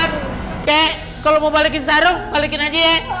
kayak kalau mau balikin sarung balikin aja ya